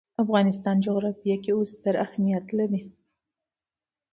د افغانستان جغرافیه کې اوښ ستر اهمیت لري.